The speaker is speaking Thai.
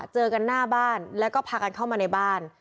เจอกันหน้าบ้านแล้วก็พากันเข้ามาในบ้าน